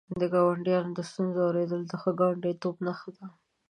د ګاونډیانو د ستونزو اورېدل د ښه ګاونډیتوب نښه ده.